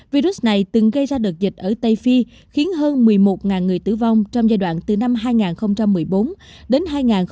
virus này từng gây ra đợt dịch ở tây phi khiến hơn một mươi một người tử vong trong giai đoạn từ năm hai nghìn một mươi bốn đến hai nghìn một mươi bảy